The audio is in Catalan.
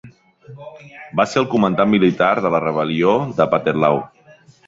Va ser el comandant militar de la rebel·lió de Pathet Lao.